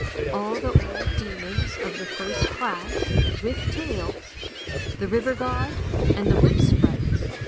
All the old demons of the first class, with tails, the river god, and the wood sprites.